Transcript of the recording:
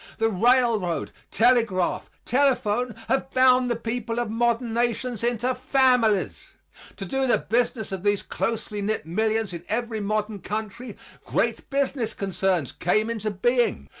The railroad, telegraph, telephone have bound the people of modern nations into families. To do the business of these closely knit millions in every modern country great business concerns came into being.